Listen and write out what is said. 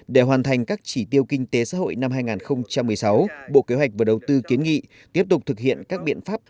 để hoàn thành các chỉ tiêu kinh tế xã hội năm hai nghìn một mươi sáu bộ kế hoạch và đầu tư kiến nghị tiếp tục thực hiện các biện pháp